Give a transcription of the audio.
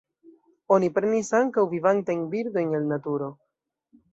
Oni prenis ankaŭ vivantajn birdojn el naturo.